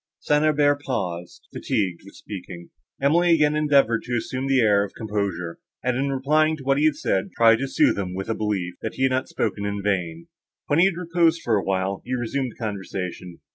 St. Aubert paused, fatigued with speaking. Emily again endeavoured to assume an air of composure; and, in replying to what he had said, tried to sooth him with a belief, that he had not spoken in vain. When he had reposed a while, he resumed the conversation.